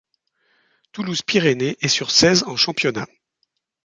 Toulouse-Pyrénées est sur seize en championnat.